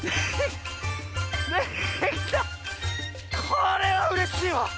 これはうれしいわ！